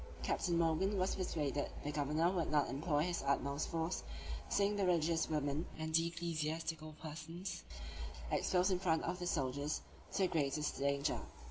Captain Morgan was persuaded the governor would not employ his utmost force, on seeing the religious women and ecclesiastical persons exposed in the front of the soldiers to the greatest danger.